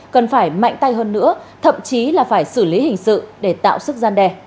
cần phải mạnh tay hơn nữa thậm chí là phải xử lý hình sự để tạo sức gian đe